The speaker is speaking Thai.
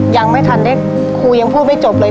ยังไม่ทันก็ภาพร้อมจับเอง